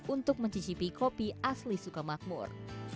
untuk mencicipi kopi asli suka makmur